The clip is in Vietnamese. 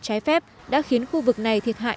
trái phép đã khiến khu vực này thiệt hại